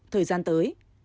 thời gian tới